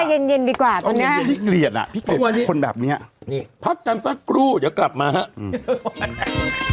พี่ใจเย็นดีกว่าตรงนี้พี่เกลียดน่ะคนแบบนี้พักจำซักครูเดี๋ยวกลับมาฮะ